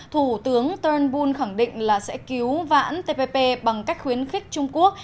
thủ tướng turnbull khẳng định là sẽ cứu vãn tpp bằng cách khuyến khích trung quốc